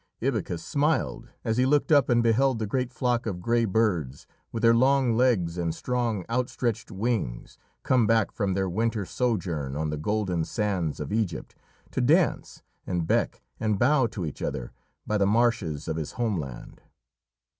Ibycus smiled, as he looked up and beheld the great flock of grey birds, with their long legs and strong, outstretched wings, come back from their winter sojourn on the golden sands of Egypt, to dance and beck and bow to each other by the marshes of his homeland.